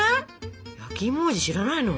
焼きいも王子知らないの？